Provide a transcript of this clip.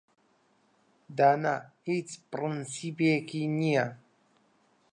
دانا هیچ پرەنسیپێکی نییە.